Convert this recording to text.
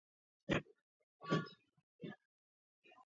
ახასიათებს გრძელი, მაგრამ უჩვეულო ბეწვის ფორმა.